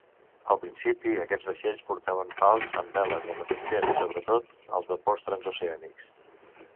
Al principi aquests vaixells portaven pals amb veles al mateix temps, sobretot els vapors transoceànics.